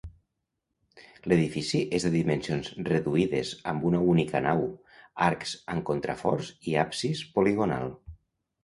L'edifici és de dimensions reduïdes, amb una única nau, arcs amb contraforts i absis poligonal.